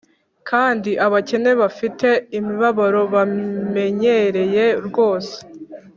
kandi abakene bafite imibabaro bamenyereye rwose,